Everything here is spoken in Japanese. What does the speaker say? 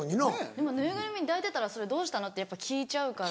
でもぬいぐるみ抱いてたら「それどうしたの？」ってやっぱ聞いちゃうから。